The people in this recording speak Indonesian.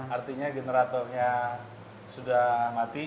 artinya generatornya sudah mati